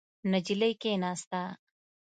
نجلۍ کېناسته.